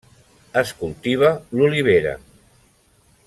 És cultiva l'olivera.